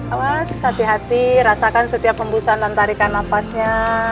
awas hati hati rasakan setiap hembusan dan tarikan nafasnya